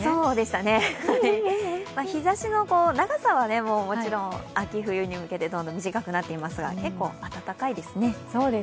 日ざしの長さはもちろん秋冬に向けて短くなっていきますが、結構、暖かいですね。